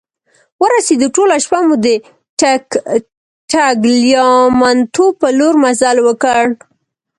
ورسیدو، ټوله شپه مو د ټګلیامنتو په لور مزل وکړ.